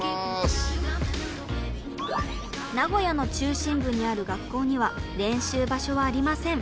名古屋の中心部にある学校には練習場所はありません。